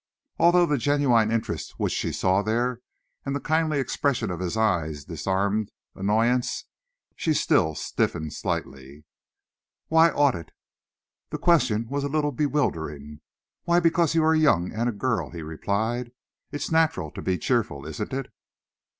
Although the genuine interest which she saw there and the kindly expression of his eyes disarmed annoyance, she still stiffened slightly. "Why ought it?" The question was a little bewildering. "Why, because you are young and a girl," he replied. "It's natural to be cheerful, isn't it?"